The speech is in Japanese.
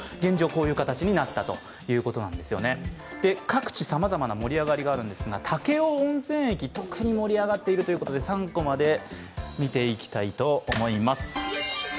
各地さまざまな盛り上がりがあるんですが、武雄温泉駅、特に盛り上がっているということで３コマで見ていきたいと思います。